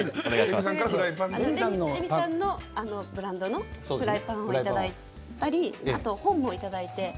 レミさんのブランドのフライパンをいただいたりあと、本もいただいて。